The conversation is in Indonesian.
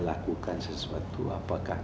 lakukan sesuatu apakah